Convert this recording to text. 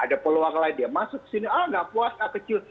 ada peluang lain dia masuk ke sini oh tidak puas ah kecil